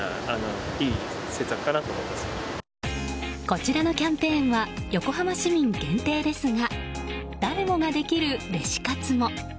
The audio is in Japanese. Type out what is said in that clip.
こちらのキャンペーンは横浜市民限定ですが誰もができるレシ活も。